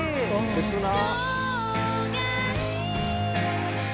切な。